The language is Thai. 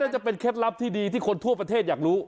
จะเป็นเคล็ดลับที่ดีที่คนทั่วประเทศอยากรู้